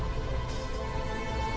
kasian tahu keatna